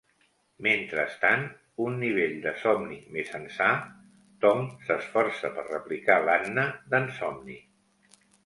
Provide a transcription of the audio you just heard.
Mentrestant, un nivell de somni més ençà, Tom s'esforça per replicar l'Anna d'ensomni.